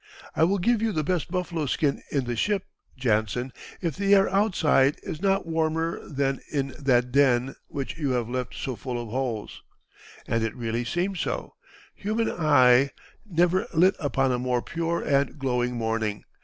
'I will give you the best buffalo skin in the ship, Jansen, if the air outside is not warmer than in that den which you have left so full of holes.' And it really seemed so. Human eye never lit upon a more pure and glowing morning.